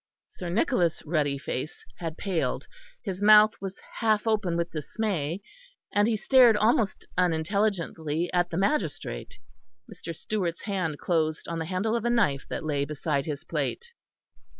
Sir Nicholas' ruddy face had paled, his mouth was half open with dismay, and he stared almost unintelligently at the magistrate. Mr. Stewart's hand closed on the handle of a knife that lay beside his plate.